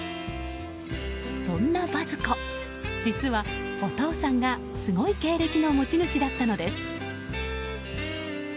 そんなバズ子実はお父さんがすごい経歴の持ち主だったのです。